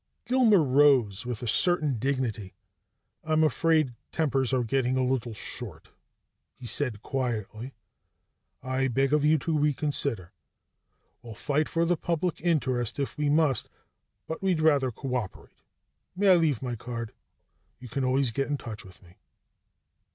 Gilmer rose, with a certain dignity. "I'm afraid tempers are getting a little short," he said quietly. "I beg of you to reconsider. We'll fight for the public interest if we must, but we'd rather cooperate. May I leave my card? You can always get in touch with me."